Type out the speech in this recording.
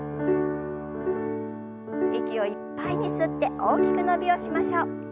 息をいっぱいに吸って大きく伸びをしましょう。